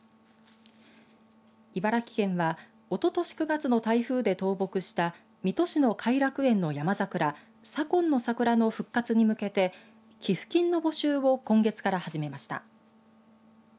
茨城県は、おととし９月の台風で倒木した水戸市の偕楽園のヤマザクラ左近の桜の復活に向けて寄付金の募集を今月から始めました。